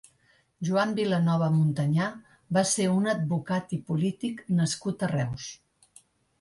Joan Vilanova Montañà va ser un advocat i polític nascut a Reus.